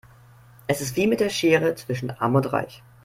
Es ist wie mit der Schere zwischen arm und reich.